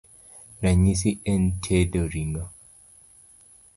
Ranyisi en tedo ring'o: